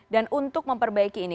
dan untuk memperbaiki ini